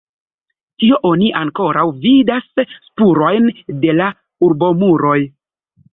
Tie oni ankoraŭ vidas spurojn de la urbomuroj.